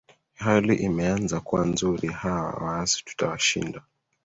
hali imeanza kuwa nzuri hawa waasi tutawashinda